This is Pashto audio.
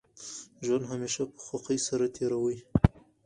ژوند همېشه په خوښۍ سره تېروئ!